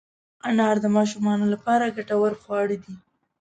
انار د ماشومانو لپاره ګټور خواړه دي.